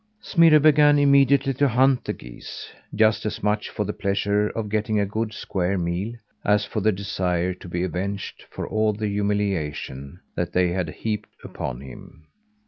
Smirre began immediately to hunt the geese just as much for the pleasure of getting a good square meal, as for the desire to be avenged for all the humiliation that they had heaped upon him.